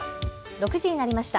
６時になりました。